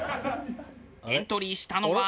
エントリーしたのは。